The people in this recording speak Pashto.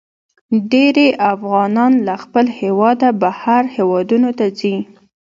ډیرې افغانان له خپل هیواده بهر هیوادونو ته ځي.